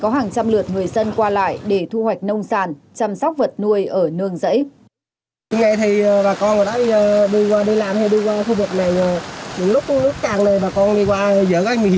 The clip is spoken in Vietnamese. hàng trăm lượt người dân qua lại để thu hoạch nông sản chăm sóc vật nuôi ở nương rẫy